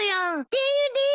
出るです。